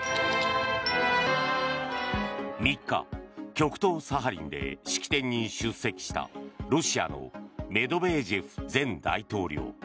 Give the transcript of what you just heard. ３日、極東サハリンで式典に出席したロシアのメドベージェフ前大統領。